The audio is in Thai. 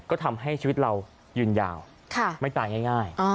ก็ทำให้ชีวิตเรายืนยาวไม่ตายง่าย